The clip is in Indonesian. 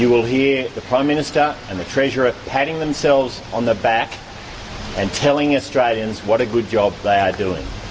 anda akan mendengar pemerintah dan ketua ketua